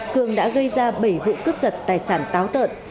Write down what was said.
cường đã gây ra bảy vụ cướp giật tài sản táo tợn